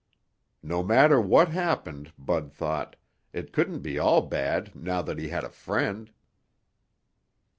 No matter what happened, Bud thought, it couldn't be all bad now that he had a friend.